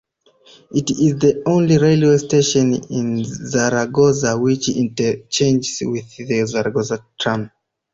It is the only railway station in Zaragoza which interchanges with the Zaragoza tram.